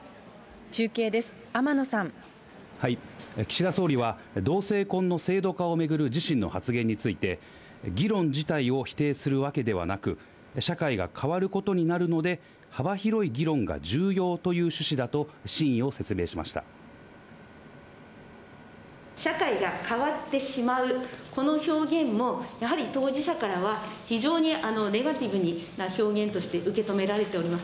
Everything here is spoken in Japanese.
中継です、岸田総理は、同性婚の制度化を巡る自身の発言について、議論自体を否定するわけではなく、社会が変わることになるので、幅広い議論が重要という趣旨だと、社会が変わってしまう、この表現も、やはり当事者からは、非常にネガティブな表現として受け止められております。